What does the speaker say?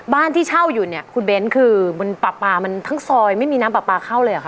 บ้านที่เช่าอยู่เนี่ยคุณเบ้นคือบนปลาปลามันทั้งซอยไม่มีน้ำปลาปลาเข้าเลยเหรอค